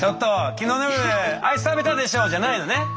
昨日の夜アイス食べたでしょ！」じゃないのね。